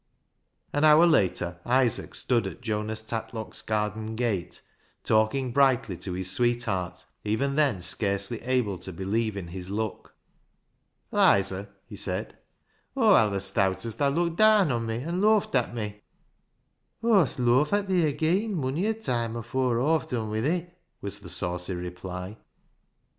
An hour later, Isaac stood at Jonas Tatlock's garden gate, talking brightly to his sweet heart, even then scarcely able to believe in his luck. " Lizer," he said, " Aw allis thowt as thaa looked daan o' me an' loufed at me." " Aw'st louf at thi ageean mony a toime afoor Aw've dun wi' thi," was the saucy reply.